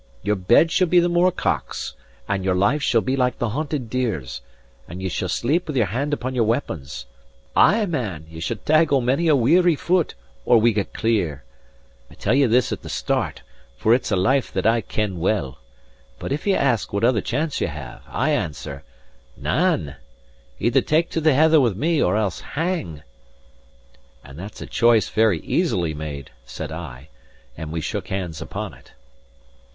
Your bed shall be the moorcock's, and your life shall be like the hunted deer's, and ye shall sleep with your hand upon your weapons. Ay, man, ye shall taigle many a weary foot, or we get clear! I tell ye this at the start, for it's a life that I ken well. But if ye ask what other chance ye have, I answer: Nane. Either take to the heather with me, or else hang." "And that's a choice very easily made," said I; and we shook hands upon it.